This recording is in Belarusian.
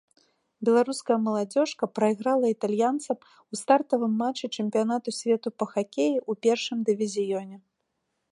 Беларуская маладзёжка прайграла італьянцам у стартавым матчы чэмпіянату свету па хакеі ў першым дывізіёне.